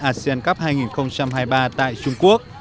asean cup hai nghìn hai mươi ba tại trung quốc